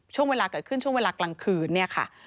ช่วงเวลาเกิดขึ้นช่วงเวลากลางคืนเนี่ยค่ะ